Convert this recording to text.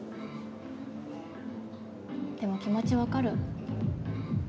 でも気持ち分かる。